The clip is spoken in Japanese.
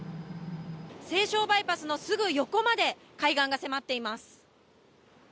西湘バイパスのすぐ横まで海岸が迫っています。